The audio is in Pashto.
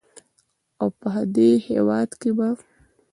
او په دې هېواد کې به